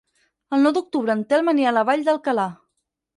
El nou d'octubre en Telm anirà a la Vall d'Alcalà.